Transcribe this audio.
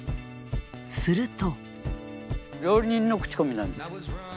すると。